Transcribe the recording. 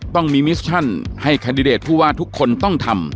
ต้องมีมิชชั่นให้แคนดิเดตผู้ว่าทุกคนต้องทำ